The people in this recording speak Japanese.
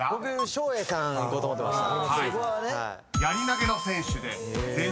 照英さんいこうと思ってました。